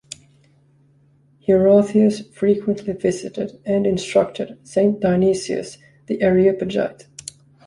Hierotheos frequently visited and instructed Saint Dionysius the Areopagite.